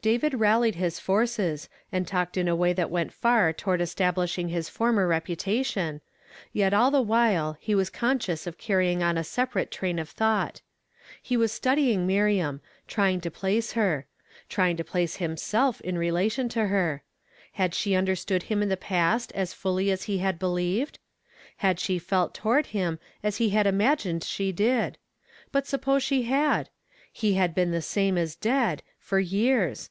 David rallied his forces, and talked in ., way that went far toward establishing his former reputa tion, y.t all the while he was conscious of carrying on a sci)a] ate train of thought. He was studying .Aliriam, tiying to place her — trying to ph. e him self in relation to her. Had she understood him HI the past as fully as he had believed? H id she felt toward him as he had imagined she did'. But suppose she had? He had been the same as lead, for ycai s.